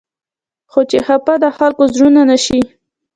خو چې خفه د خلقو زړونه نه شي